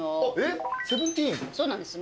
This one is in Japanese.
そうなんです